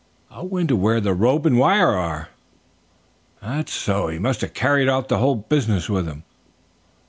"I wonder where the rope and wire are?" "That's so. He must have carried the whole business with him."